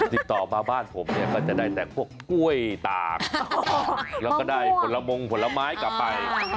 ติดต่อมาบ้านผมเนี่ยก็จะได้แต่พวกกล้วยตากแล้วก็ได้ผลมงผลไม้กลับไป